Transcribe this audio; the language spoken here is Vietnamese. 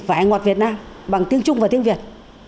vải ngọt việt nam bằng tiếng trung và tiếng việt